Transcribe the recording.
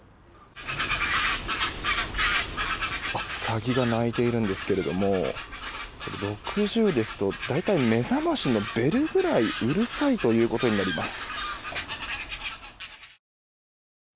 サギが鳴いているんですけども６０ですと大体、目覚ましのベルくらいうるさいということになります。